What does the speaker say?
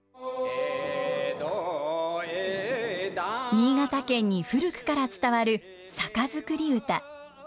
新潟県に古くから伝わる酒造り唄。